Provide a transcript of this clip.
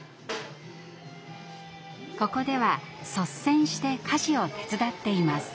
ここでは率先して家事を手伝っています。